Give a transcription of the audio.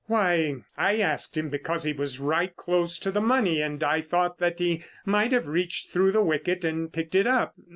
"Why, I asked him because he was right close to the money and I thought that he might have reached through the wicket and picked it up.